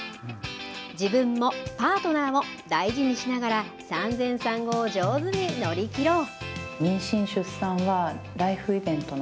自分もパートナーも大事にしながら、産前産後を上手に乗り切ろう。